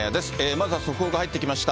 まずは速報が入ってきました。